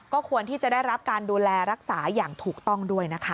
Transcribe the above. ควรที่จะได้รับการดูแลรักษาอย่างถูกต้องด้วยนะคะ